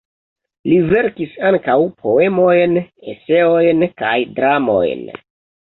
Li verkis ankaŭ poemojn, eseojn kaj dramojn.